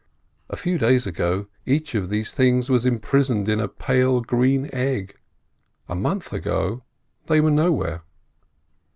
A few days ago each of these things was imprisoned in a pale green egg. A month ago they were nowhere.